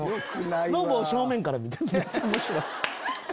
ノブを正面から見たらめっちゃおもしろい。